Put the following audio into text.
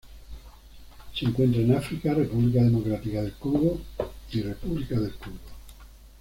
Se encuentran en África: República Democrática del Congo y República del Congo.